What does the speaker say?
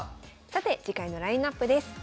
さて次回のラインナップです。